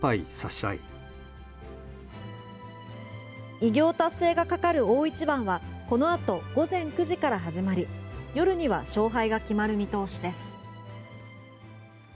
偉業達成がかかる大一番はこのあと午前９時から始まり夜には勝敗が決まる見通しです。